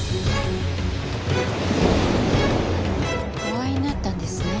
お会いになったんですね？